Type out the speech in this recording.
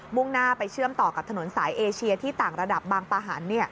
่งหน้าไปเชื่อมต่อกับถนนสายเอเชียที่ต่างระดับบางปะหัน